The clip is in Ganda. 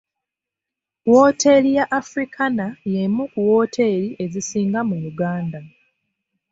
Wooteeri ya Africana y'emu ku wooteeri ezisinga mu Uganda.